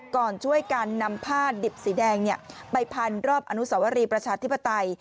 ก่อนช่วยกันนำผ้าดิบสีแดงไปพันรอบอนุสวรีประชาธิปไตย